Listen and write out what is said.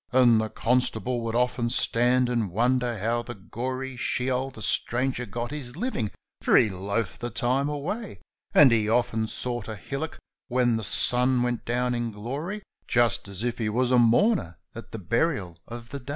And the constable would often stand and wonder how the gory Sheol the stranger got his living, for he loafed the time away he often sought a hillock when the suii went down in glory, Just as if he was a mourner at the burial of the day.